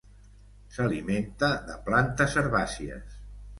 S'alimenta de plantes herbàcies.